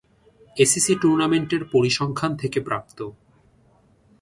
ACC টুর্নামেন্টের পরিসংখ্যান থেকে প্রাপ্ত।